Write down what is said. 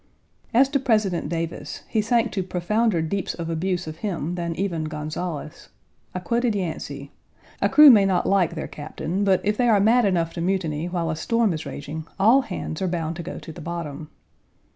As to President Davis, he sank to profounder deeps of abuse of him than even Gonzales. I quoted Yancey: "A Page 151 crew may not like their captain, but if they are mad enough to mutiny while a storm is raging, all hands are bound to go to the bottom."